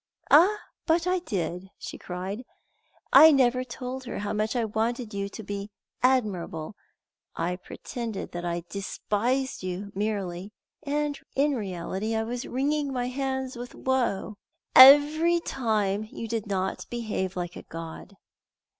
"Ah, but I did," she cried. "I never told her how much I wanted you to be admirable; I pretended that I despised you merely, and in reality I was wringing my hands with woe every time you did not behave like a god."